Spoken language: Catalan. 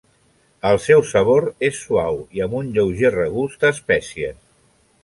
El seu sabor és suau i amb un lleuger regust a espècies.